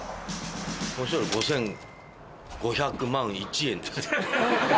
そしたら５，５００万１円です。